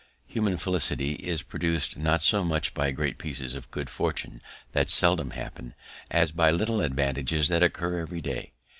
Human felicity is produced not so much by great pieces of good fortune that seldom happen, as by little advantages that occur every day.